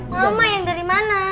mama yang dari mana